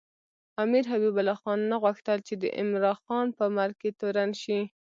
امیر حبیب الله خان نه غوښتل چې د عمراخان په مرګ کې تورن شي.